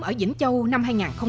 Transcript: ở vĩnh châu năm hai nghìn một mươi sáu